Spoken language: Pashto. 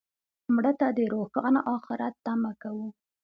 مړه ته د روښانه آخرت تمه کوو